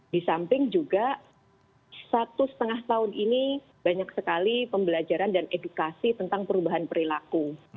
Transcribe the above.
di samping juga satu setengah tahun ini banyak sekali pembelajaran dan edukasi tentang perubahan perilaku